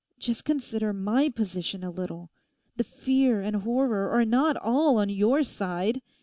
Just consider my position a little. The fear and horror are not all on your side.